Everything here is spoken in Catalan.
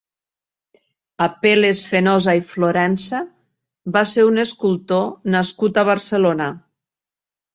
Apel·les Fenosa i Florensa va ser un escultor nascut a Barcelona.